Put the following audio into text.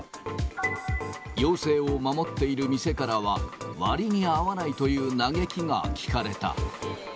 要請を守っている店からは、割に合わないという嘆きが聞かれた。